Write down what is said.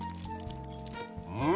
うん！